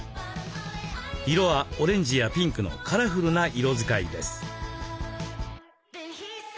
色はオレンジやピンクのカラフルな色使いです。